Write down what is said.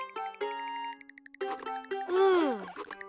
うん。